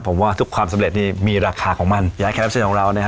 ผมว่าทุกความสำเร็จนี่มีราคาของมันยาแคล็ปเซ็นต์ของเรานะฮะ